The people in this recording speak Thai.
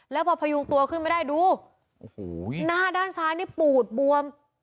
แล้วพอพยุงตัวขึ้นมาได้ดูโอ้โหหน้าด้านซ้ายนี่ปูดบวม